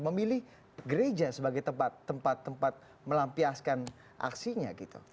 memilih gereja sebagai tempat tempat melampiaskan aksinya gitu